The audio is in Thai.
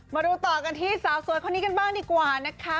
มาดูต่อกันที่สาวสวยคนนี้กันบ้างดีกว่านะคะ